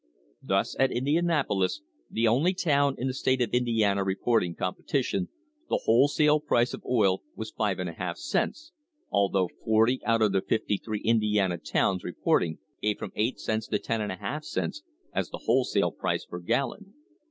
Thus, at Indianapolis, the only town in the state of Indiana report ing competition, the wholesale price of oil was 5^ cents, although forty out of the fifty three Indiana towns reporting gave from 8 cents to io*/2 cents as the wholesale price per gallon.